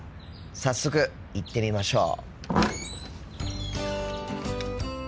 早速行ってみましょう。